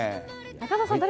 中澤さん